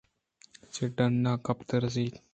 چہ ڈنّ ءِ کپگ ءَ رست کنت